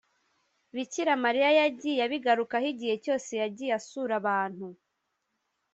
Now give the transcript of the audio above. bikira mariya yagiye abigarukaho, igihe cyose yagiye asura abantu,